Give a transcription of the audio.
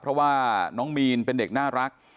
เพราะว่าน้องมีนเป็นเด็กน่ารัก